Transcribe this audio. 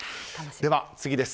では、次です。